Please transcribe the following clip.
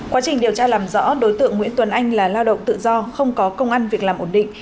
quá trình điều tra làm rõ đối tượng nguyễn tuấn anh là lao động tự do không có công an việc làm ổn định